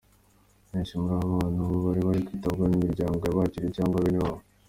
Benshi muri aba bana ubu bari kwitabwaho n'imiryango yabakiriye cyangwa bene wabo.